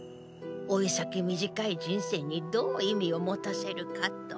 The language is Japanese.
老い先短い人生にどう意味を持たせるかと。